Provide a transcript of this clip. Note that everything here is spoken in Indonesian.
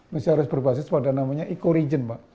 mesti harus berbasis pada namanya eco region pak